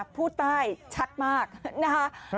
พูดใต้ชัดมากนะคะ